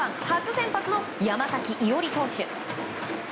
初先発の山崎伊織投手。